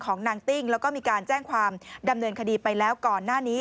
นางติ้งแล้วก็มีการแจ้งความดำเนินคดีไปแล้วก่อนหน้านี้